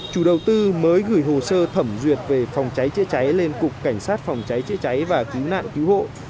chủ đầu tư mới gửi hồ sơ thẩm duyệt về phòng cháy chữa cháy lên cục cảnh sát phòng cháy chữa cháy và cứu nạn cứu hộ